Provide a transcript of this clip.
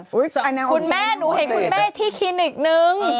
คุณแม่หนูเห็นคุณแม่ที่คลินิกนึง